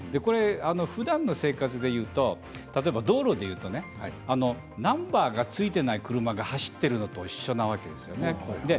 ふだんの生活でいうと例えば道路でいうとねナンバーがついていない車が走っているのと一緒なわけですね。